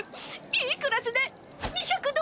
いいクラスね２００度。